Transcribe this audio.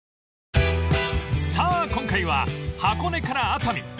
［さあ今回は箱根から熱海］